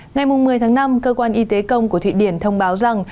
ngày một mươi tháng năm cơ quan y tế công của thụy điển thông báo rằng